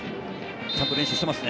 ちゃんと練習してますね。